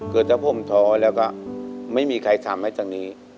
เกิดถ้าผมท้อแล้วก็ไม่มีใครทำให้ตอนนี้